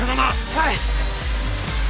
はい！